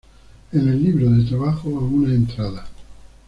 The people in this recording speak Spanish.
En el libro de trabajo a una entrada.